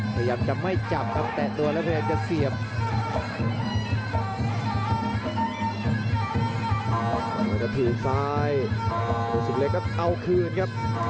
ต่างงานถึงทางซ้ายเลยถูกเล็กแล้วเอาคืนครับ